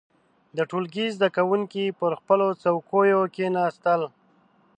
• د ټولګي زده کوونکي پر خپلو څوکيو کښېناستل.